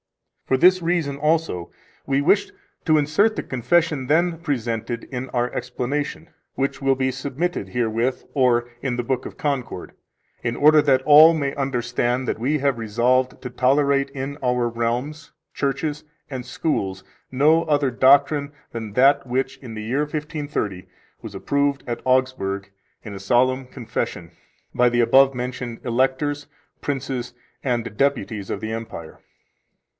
For this reason also we wished to insert the confession then presented in our explanation, which will be submitted herewith or in the Book of Concord, in order that all may understand that we have resolved to tolerate in our realms, churches, and schools no other doctrine than that which, in the year 1530, was approved at Augsburg in a solemn confession, by the above mentioned Electors, Princes, and Deputies of the Empire.